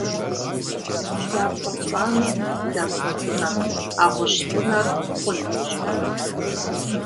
Бдзапцӏэ пцӏанэ бдзапцӏэ цӏынэ, а гъущӏ цӏынэр хъун гъущӏ ӏунэ?